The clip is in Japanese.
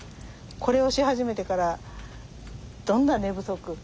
これをし始めてからどんな寝不足。